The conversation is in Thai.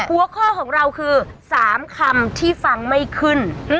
หัวข้อของเราคือ๓คำที่ฟังไม่ขึ้น